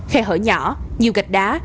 khe hở nhỏ nhiều gạch đá